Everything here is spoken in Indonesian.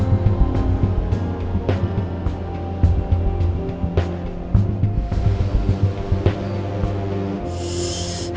aku gak diangkat sih